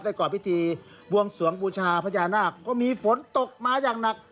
ก่อนพิธีบวงสวงบูชาพญานาคก็มีฝนตกมาอย่างหนัก